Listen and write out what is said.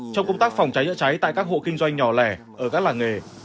trong công tác phòng cháy chữa cháy tại các hộ kinh doanh nhỏ lẻ ở các làng nghề